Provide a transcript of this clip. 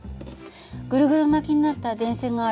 ぐるぐる巻きになった電線がある。